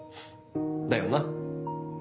だよな？